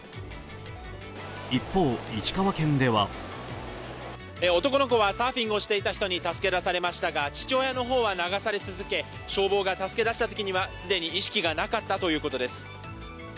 一方、石川県では男の子はサーフィンをしていた人に助け出されましたが父親の方は流され続け、消防が助け出したときには既に意識がなかったということです。